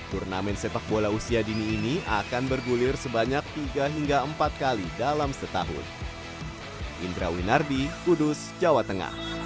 turnamen sepak bola usia dini ini akan bergulir sebanyak tiga hingga empat kali dalam setahun